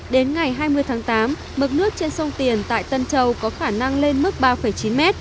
đến ngày hai mươi tháng tám mực nước trên sông tiền tại tân châu có khả năng lên mức ba chín m